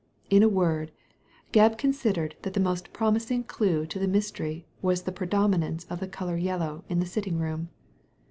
In a word, Gebb considered that the most promising clue to the mystery was the predominance of the colour yellow in the sitting room.